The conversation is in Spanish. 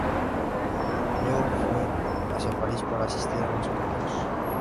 Luego fue hacia París para asistir a unos cursos.